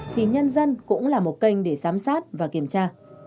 thì nhân dân cũng là một kênh để giám sát và kiểm tra